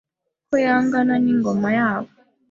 Ko yangana n'ingoma yabo